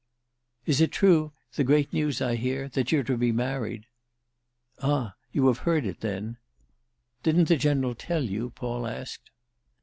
"Is it true, the great news I hear—that you're to be married?" "Ah you have heard it then?" "Didn't the General tell you?" Paul asked.